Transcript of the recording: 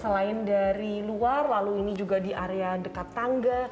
selain dari luar lalu ini juga di area dekat tangga